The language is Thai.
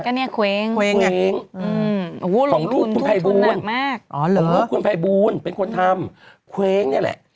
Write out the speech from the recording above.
ก็เนี่ยเคว้งของรูปคุณภัยบูลเป็นคนทำเคว้งเนี่ยแหละ